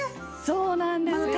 そうなんですよ。